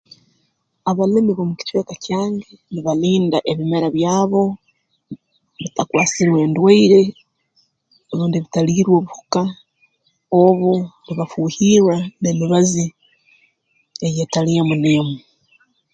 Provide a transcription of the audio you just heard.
Abalimi b'omu kicweka kyange nibalinda ebimera byabo bitakwasirwe ndwaire rundi bitaliirwe buhuka obu nibafuuhirra n'emibazi ei etali emu n'emu